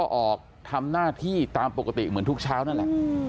ออกทำหน้าที่ตามปกติเหมือนทุกเช้านั่นแหละ